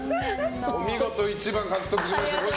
お見事１番獲得しました。